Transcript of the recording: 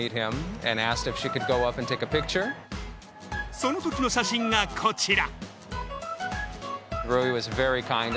その時の写真がこちら。